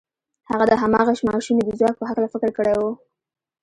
هغه د هماغې ماشومې د ځواک په هکله فکر کړی و.